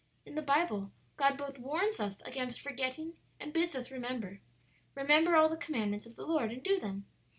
"In the Bible God both warns us against forgetting and bids us remember: "'Remember all the commandments of the Lord, and do them.'